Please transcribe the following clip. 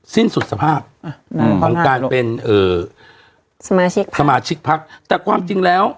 สิ้นสุดสภาพของการเป็นเอ่อสมาชิกพักสมาชิกพักแต่ความจริงแล้ว